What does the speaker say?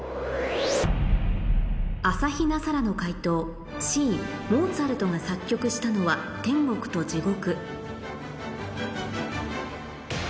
朝比奈沙羅の解答Ｃモーツァルトが作曲したのは『天国と地獄』